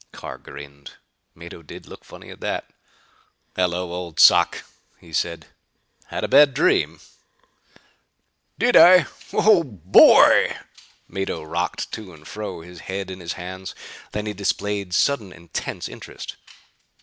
Carr grinned. Mado did look funny at that. "Hello, old sock," he said, "had a bad dream?" "Did I? Oh boy!" Mado rocked to and fro, his head in his hands. Then he displayed sudden intense interest.